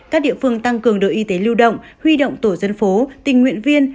các địa phương tăng cường đội y tế lưu động huy động tổ dân phố tình nguyện viên